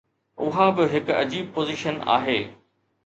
اها به هڪ عجيب پوزيشن آهي.